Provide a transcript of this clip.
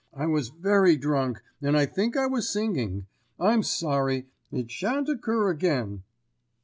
I was very drunk and I think I was singing. I'm sorry. It sha'n't occur again."